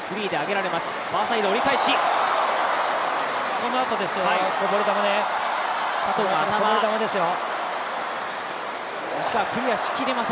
このあとですよ、こぼれ球ですよ。